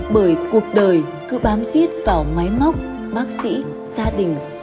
bởi cuộc đời cứ bám giết vào máy móc bác sĩ gia đình